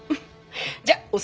じゃあお先。